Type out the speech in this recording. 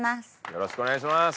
よろしくお願いします。